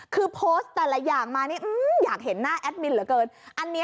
คือโพสต์แต่ละอย่างมานี่อยากเห็นหน้าแอดมินเหลือเกิน